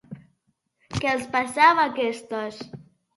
Què els passava a aquestes?